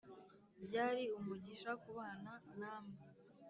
Byari umugisha kubana namwe